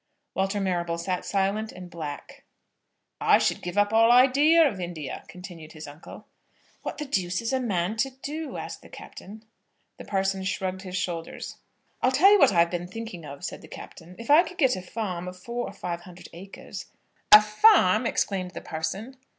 Walter Marrable sat silent and black. "I should give up all idea of India," continued his uncle. "What the deuce is a man to do?" asked the Captain. The parson shrugged his shoulders. "I'll tell you what I've been thinking of," said the Captain. "If I could get a farm of four or five hundred acres " "A farm!" exclaimed the parson.